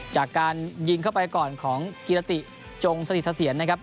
จากการยิงเข้าไปก่อนของกิรติจงสนิทเสถียรนะครับ